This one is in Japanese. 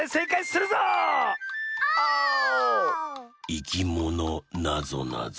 「いきものなぞなぞ」